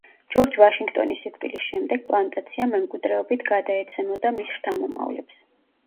ჯორჯ ვაშინგტონის სიკვდილის შემდეგ, პლანტაცია მემკვიდრეობით გადაეცემოდა მის შთამომავლებს.